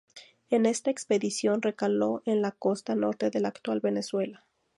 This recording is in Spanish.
En esta expedición recaló en la costa norte de la actual Venezuela.